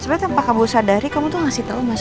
sebenernya tanpa kamu sadari kamu tuh ngasih tau mas